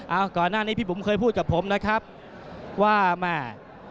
เอาก่อนหน้านี้พี่บุ๋มเคยพูดกับผมนะครับว่าแม่